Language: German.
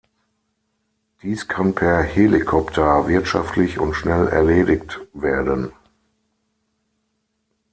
Dies kann per Helikopter wirtschaftlich und schnell erledigt werden.